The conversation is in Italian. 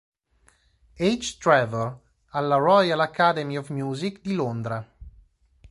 H. Trevor alla "Royal Academy of Music" di Londra.